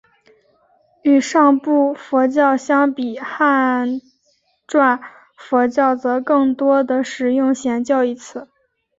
与上座部佛教相比汉传佛教则更多地使用显教一词。